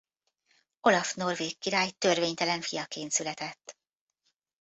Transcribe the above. Olaf norvég király törvénytelen fiaként született.